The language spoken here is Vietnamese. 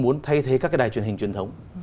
muốn thay thế các cái đài truyền hình truyền thống